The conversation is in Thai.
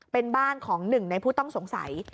เป็นบ้านของหนึ่งในผู้ต้องสงสัย